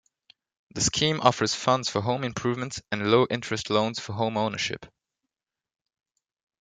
The scheme offers funds for home improvements, and low interest loans for home ownership.